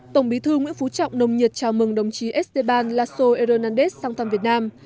tổng bí thư nguyễn phú trọng nồng nhiệt chào mừng đồng chí esteban lasso hernández sang thăm việt nam